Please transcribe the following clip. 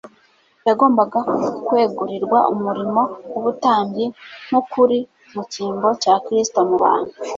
Yagombaga kwegurirwa umurimo w'ubutambyi, nk'uri mu cyimbo cya Kristo mu bantu